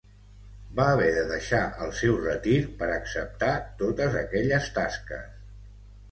Va haver de deixar el seu retir per acceptar totes aquelles tasques.